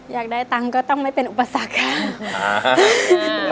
อยากได้ตังค์ก็ต้องไม่เป็นอุปสรรคค่ะ